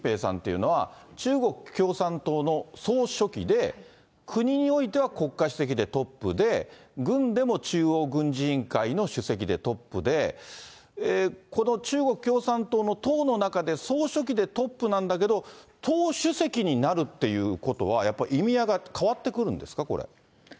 今、習近平さんっていうのは、中国共産党の総書記で、国においては国家主席でトップで、軍でも中央軍事委員会の主席でトップで、この中国共産党の党の中で総書記でトップなんだけど、党主席になるっていうことは、やっぱり意味合いが変わってくるんですか、これ。